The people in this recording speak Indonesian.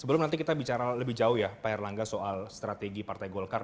sebelum nanti kita bicara lebih jauh ya pak erlangga soal strategi partai golkar